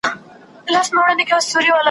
کشر ورور ویل چي زه جوړوم خونه `